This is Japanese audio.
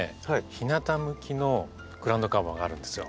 日なた向きのグラウンドカバーがあるんですよ。